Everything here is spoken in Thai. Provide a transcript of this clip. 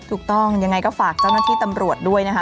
ถูกต้องยังไงก็ฝากเจ้าหน้าที่ตำรวจด้วยนะคะ